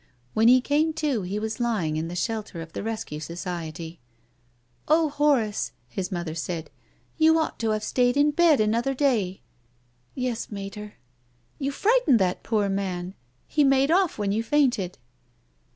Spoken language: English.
When he came to he was lying in the shelter of the Rescue Society. " Ah, Horace," his mother said, " you ought to have stayed in bed another day." "Yes, Mater." "You frightened that poor man. He made ofif when you fainted."